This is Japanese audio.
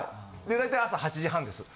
で大体朝８時半です。